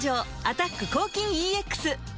「アタック抗菌ＥＸ」